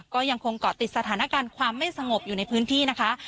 ก็ยังคงเกาะติดสถานการณ์ความไม่สงบอยู่ในพื้นที่นะคะ